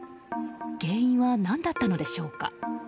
原因は何だったのでしょうか。